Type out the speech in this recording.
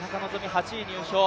８位入賞。